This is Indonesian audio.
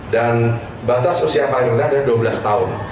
dan batas usia para pengguna adalah dua belas tahun